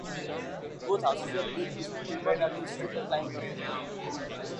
Both houses were built using timber that withstood the climate of the area.